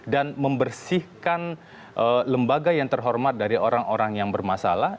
dan membersihkan lembaga yang terhormat dari orang orang yang bermasalah